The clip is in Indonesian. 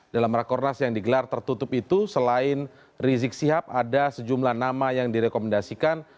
dalam rakornas yang digelar tertutup itu selain rizik sihab ada sejumlah nama yang direkomendasikan